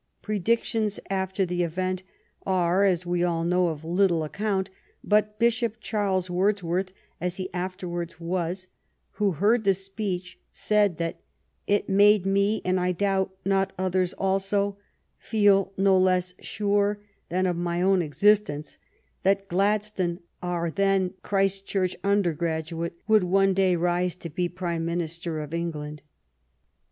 Predictions after the event are, as we all know, of little account; but Bishop Charles Wordsworth, as he afterwards was, who heard the speech, said that " it made me, and I doubt not others also, feel no less sure than of my own existence that Gladstone, our then Christchurch undergraduate, would one day rise to be Prime Minister of England."